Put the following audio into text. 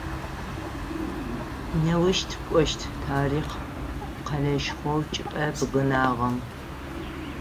Неущ тыкӏощт тарихъ къэлэшхоу чӏыпӏэ бгынагъэм.